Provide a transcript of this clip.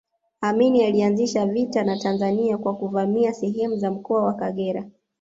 Amin alianzisha vita na Tanzania kwa kuvamia sehemu za mkoa wa Kagera